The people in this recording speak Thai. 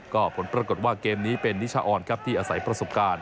ก็ผลปรากฏว่าเกมนี้เป็นนิชาออนครับที่อาศัยประสบการณ์